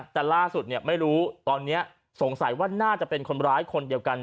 แต่ล่าสุดไม่รู้ตอนนี้สงสัยว่าน่าจะเป็นคนร้ายคนเดียวกัน